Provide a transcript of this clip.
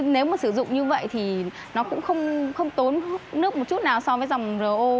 nếu mà sử dụng như vậy thì nó cũng không tốn nước một chút nào so với dòng ro